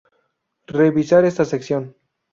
Revisar esta sección.